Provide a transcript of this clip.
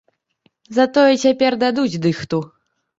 Затое цяпер дадуць дыхту!